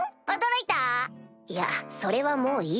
いやそれはもういいよ。